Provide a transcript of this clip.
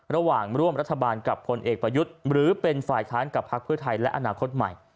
ระหว่างร่วมรัฐบาลกับพลเอกประยุทธ์หรือเป็นฝ่ายค้านกับพักเพื่อไทยและอนาคตใหม่